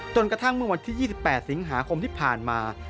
กระทั่งเมื่อวันที่๒๘สิงหาคมที่ผ่านมา